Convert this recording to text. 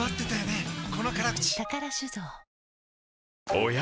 おや？